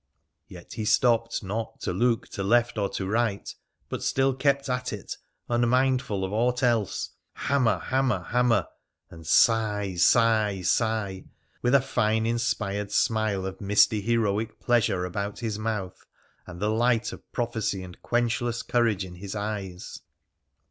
Yet he stopped not to look to left or to right, but still kept at it, unmindful of aught else — hammer, hammer, hammer ! and sigh, sigh, sigh !— with a fine inspired smile of misty, heroic pleasure about his mouth, and the light of prophecy and quenchless courage in his eyes